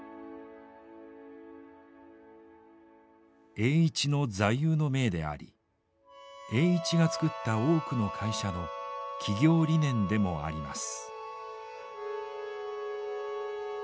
栄一の座右の銘であり栄一が作った多くの会社の企業理念でもあります。